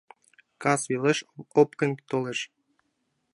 Кас велеш опкын толеш.